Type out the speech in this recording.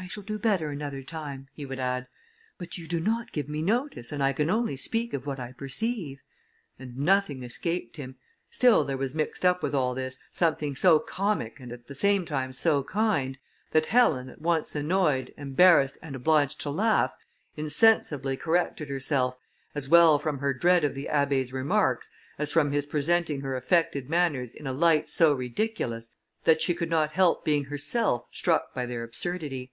I shall do better another time," he would add, "but you do not give me notice, and I can only speak of what I perceive," and nothing escaped him; still there was mixed up with all this, something so comic, and at the same time so kind, that Helen, at once annoyed, embarrassed, and obliged to laugh, insensibly corrected herself, as well from her dread of the Abbé's remarks, as from his presenting her affected manners in a light so ridiculous, that she could not help being herself struck by their absurdity.